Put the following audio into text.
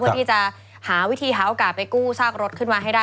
เพื่อที่จะหาวิธีหาโอกาสไปกู้ซากรถขึ้นมาให้ได้